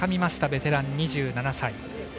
ベテランの２７歳。